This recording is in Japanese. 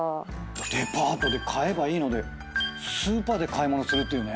デパートで買えばいいのでスーパーで買い物するっていうね。